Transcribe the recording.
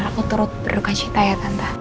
aku terus berduka cinta ya tante